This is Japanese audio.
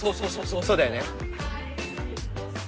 そうだよね。